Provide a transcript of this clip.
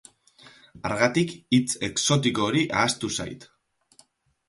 Hargatik, hitz exotiko hori ahaztu zait.